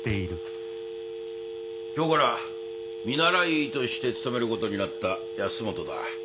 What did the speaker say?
今日から見習い医として勤める事になった保本だ。